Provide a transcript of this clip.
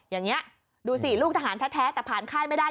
อย่างนี้ดูสิลูกทหารแท้แต่ผ่านค่ายไม่ได้